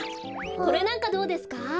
これなんかどうですか？